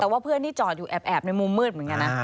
แต่ว่าเพื่อนที่จอดอยู่แอบในมุมมืดเหมือนกันนะ